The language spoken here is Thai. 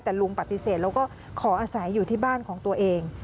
แต่ลุงปฏิเสธแล้วก็ขออาศัยอยู่ที่บ้านของตัวเอง